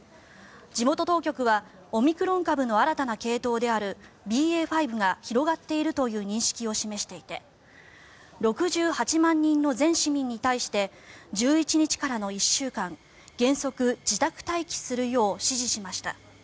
地元当局はオミクロン株の新たな系統であるＢＡ．５が広がっているという認識を示していて６８万人の全市民に対して１１日からの１週間原則自宅待機するよう指示しました。